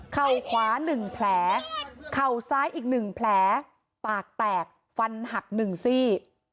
เข่าขวา๑แผลเข่าซ้ายอีก๑แผลปากแตกฟันหัก๑ซี่